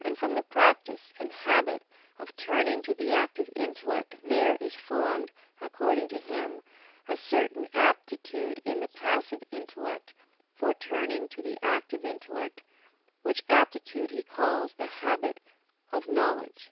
And from the practice and habit of turning to the active intellect there is formed, according to him, a certain aptitude in the passive intellect for turning to the active intellect; which aptitude he calls the habit of knowledge.